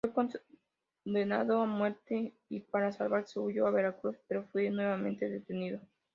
Fue condenado a muerte y para salvarse huyó a Veracruz, pero fue nuevamente detenido.